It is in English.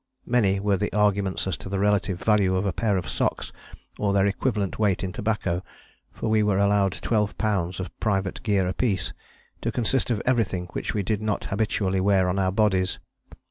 Many were the arguments as to the relative value of a pair of socks or their equivalent weight in tobacco, for we were allowed 12 lbs. of private gear apiece, to consist of everything which we did not habitually wear on our bodies.